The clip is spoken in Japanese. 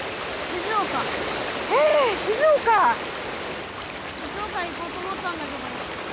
静岡へ行こうと思ったんだけど。